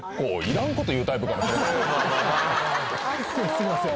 すいません